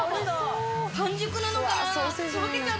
半熟なのかな？